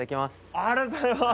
ありがとうございます！